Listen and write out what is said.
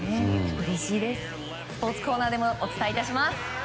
スポーツコーナーでもお伝えします。